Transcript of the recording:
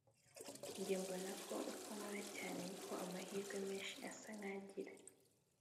"njye mbona ko uko nkora cyane, niko amahirwe menshi asa nkagira."